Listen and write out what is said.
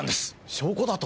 証拠だと！？